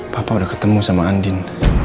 papa udah ketemu sama andin